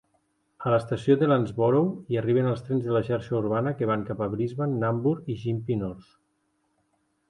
A l'estació de Landsborough hi arriben els trens de la xarxa urbana que van cap a Brisbane, Nambour i Gympie North.